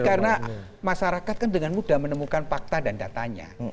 karena masyarakat kan dengan mudah menemukan fakta dan datanya